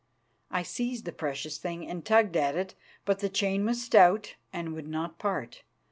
I seized the precious thing and tugged at it, but the chain was stout and would not part.